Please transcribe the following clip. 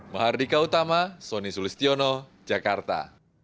mahardika utama sonny sulistiono jakarta